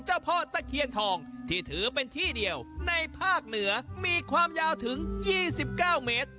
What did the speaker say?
ชาวบ้านที่นี่เนี่ยเชื่อกันว่าที่ถือเป็นที่เดียวในภาคเหนือมีความยาวถึง๒๙เมตร